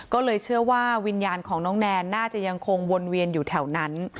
ก็เลยเชื่อว่าวิญญาณของน้องแนนน่าจะยังคงวนเวียนอยู่แถวนั้น